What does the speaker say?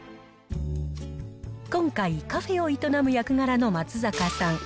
今回、カフェを営む役柄の松坂さん。